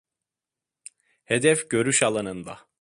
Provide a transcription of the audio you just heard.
Hedef görüş alanında.